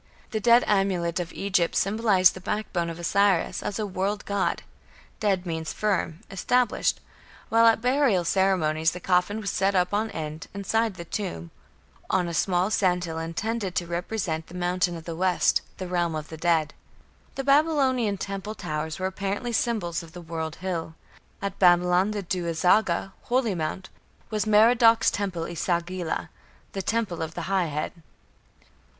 The "ded" amulet of Egypt symbolized the backbone of Osiris as a world god: "ded" means "firm", "established"; while at burial ceremonies the coffin was set up on end, inside the tomb, "on a small sandhill intended to represent the Mountain of the West the realm of the dead". The Babylonian temple towers were apparently symbols of the "world hill". At Babylon, the Du azaga, "holy mound", was Merodach's temple E sagila, "the Temple of the High Head".